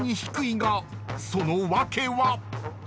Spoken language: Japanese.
［その訳は？］